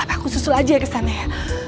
aku susul aja kesana ya